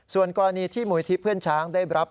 ส่วนกรณีที่มูลิธิเพื่อนช้างได้รับ